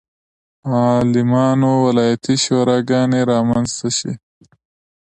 عالمانو ولایتي شوراګانې رامنځته شي.